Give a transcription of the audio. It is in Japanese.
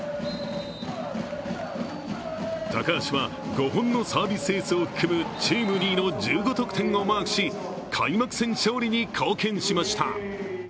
高橋は５本のサービスエースを含むチーム２位の１５得点をマークし開幕戦勝利に貢献しました。